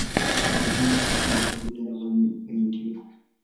Ni wa kwanza kutoka makabila ya Waindio.